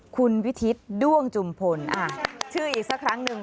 คุณวิทิศด้วงจุมพลชื่ออีกสักครั้งหนึ่ง